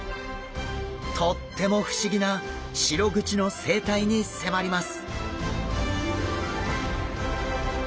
とっても不思議なシログチの生態に迫ります！